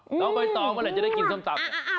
แล้วไปต่อเมื่อไหร่จะได้กินส้มตำ